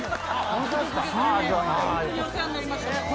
ホントにお世話になりました。